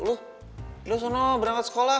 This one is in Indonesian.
lo lo sana berangkat sekolah